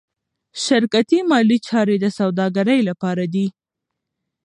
شرکتي مالي چارې د سوداګرۍ لپاره دي.